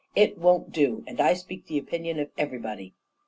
It won't do; and I speak the opinion of everybody.'